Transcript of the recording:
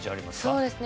そうですね